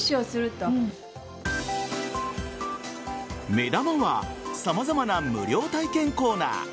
目玉は様々な無料体験コーナー。